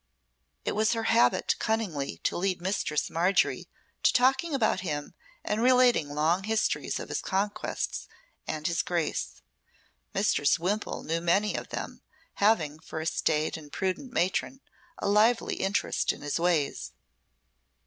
It was her habit cunningly to lead Mistress Margery to talking about him and relating long histories of his conquests and his grace. Mistress Wimpole knew many of them, having, for a staid and prudent matron, a lively interest in his ways.